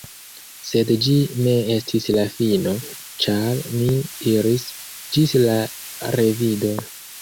Sed ĝi ne estis la fino, ĉar ni diris, “Ĝis la revido!”